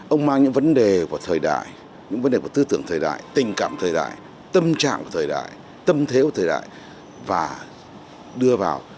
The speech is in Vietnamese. ông mang những vấn đề của thời đại những vấn đề của tư tưởng thời đại tình cảm thời đại tâm trạng của thời đại tâm thế của thời đại và đưa vào